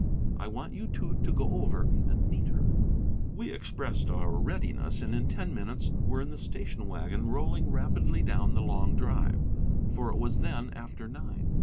I want you two to go over and meet her." We expressed our readiness, and in ten minutes were in the station wagon, rolling rapidly down the long drive, for it was then after nine.